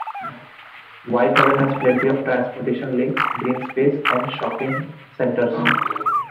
Whitehaven has plenty of transportation links, green space and shopping centres.